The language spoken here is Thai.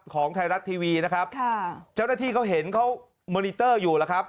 ของไทยรัฐทีวีนะครับค่ะเจ้าหน้าที่เขาเห็นเขามอนิเตอร์อยู่แล้วครับ